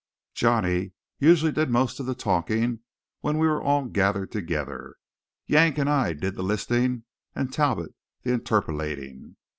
Johnny usually did most of the talking when we were all gathered together. Yank and I did the listening and Talbot the interpellating.